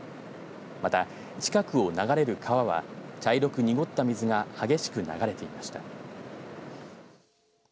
また、近くを流れる川は茶色く濁った水が激しく流れていました。